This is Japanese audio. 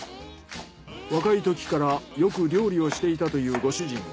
若いときからよく料理をしていたというご主人。